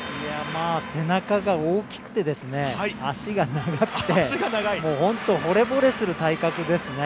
背中が大きくて、足が長くてほれぼれする体格ですね。